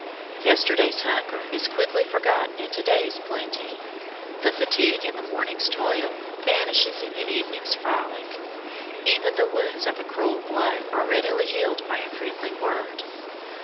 Yesterday's hunger is quickly forgotten in to day's plenty; the fatigue of the morning's toil vanishes in the evening's frolic; even the wounds of a cruel blow are readily healed by a friendly word.